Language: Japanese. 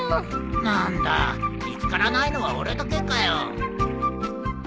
何だ見つからないのは俺だけかよ。